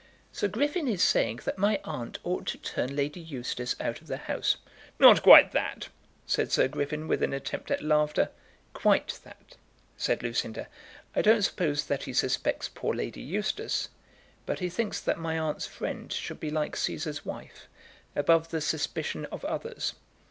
"Sir Griffin is saying that my aunt ought to turn Lady Eustace out of the house." "Not quite that," said Sir Griffin with an attempt at laughter. "Quite that," said Lucinda. "I don't suppose that he suspects poor Lady Eustace, but he thinks that my aunt's friend should be like Caesar's wife, above the suspicion of others."